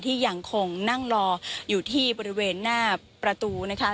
ยังคงนั่งรออยู่ที่บริเวณหน้าประตูนะคะ